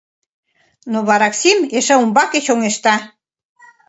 Но вараксим эше умбаке чоҥешта.